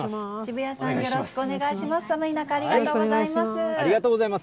澁谷さん、よろしくお願いします。